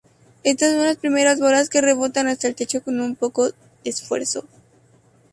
Estas son las primeras bolas que rebotan hasta el techo con poco esfuerzo.